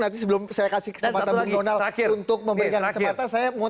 nanti sebelum saya kasih kesempatan bung donald untuk memberikan kesempatan